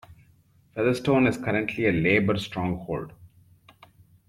Featherstone is currently a Labour stronghold.